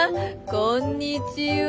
こんにちは。